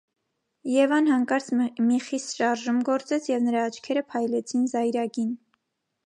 Եվան հանկարծ մի խիստ շարժում գործեց, և նրա աչքերը փայլեցին զայրագին: